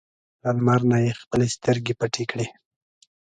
له لمر نه یې خپلې سترګې پټې کړې.